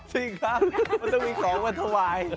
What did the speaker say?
จริงครับมันต้องมีของมาถวาย